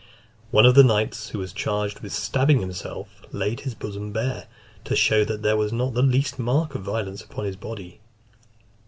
One of the knights who was charged with stabbing himself, laid his bosom bare, to show that there was not the least mark of violence upon his body.